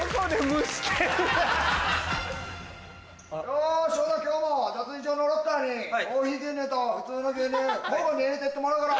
よしほな今日も脱衣場のロッカーにコーヒー牛乳と普通の牛乳交互に入れてってもらうから。